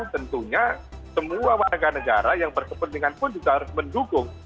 tentunya semua warga negara yang berkepentingan pun juga harus mendukung